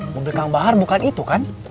mobil kang bahar bukan itu kan